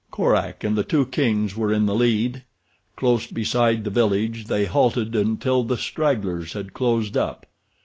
Korak and the two kings were in the lead. Close beside the village they halted until the stragglers had closed up.